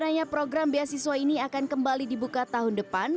rencananya program beasiswa ini akan kembali dibuka tahun depan